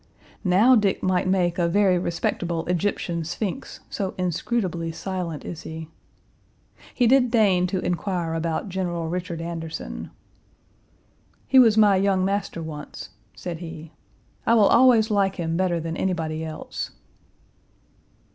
Now Dick might make a very respectable Egyptian Sphinx, so inscrutably silent is he. He did deign to inquire about General Richard Anderson. "He was my young master once," said he. "I always will like him better than anybody else."